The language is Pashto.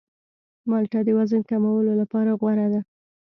مالټه د وزن کمولو لپاره غوره ده.